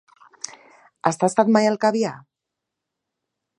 Has tastat mai el caviar?